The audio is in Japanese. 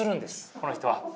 この人は。